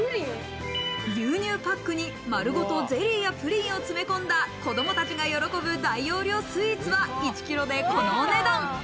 牛乳パックに丸ごとゼリーやプリンを詰め込んだ、子供たちが喜ぶ大容量スイーツは１ｋｇでこの値段。